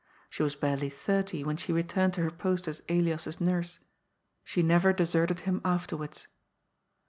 She was barely thirty when she returned to her post as Elias's nurse. She never deserted him afterwards.